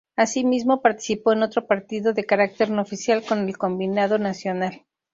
Asimismo, participó en otro partido, de carácter no oficial, con el combinado nacional.